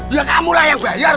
ya kamu lah yang bayar